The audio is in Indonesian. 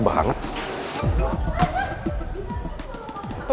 udah kbet cara lu